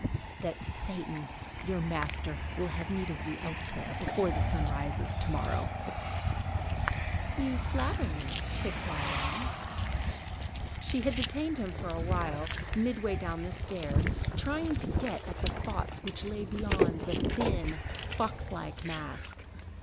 "That Satan, your master, will have need of you elsewhere, before the sun rises to day." "You flatter me, citoyenne." She had detained him for a while, midway down the stairs, trying to get at the thoughts which lay beyond that thin, fox like mask.